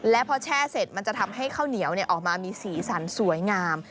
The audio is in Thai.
และพอแช่เสร็จมันจะทำให้ข้าวเหนียวออกมามีสีสันสวยงาม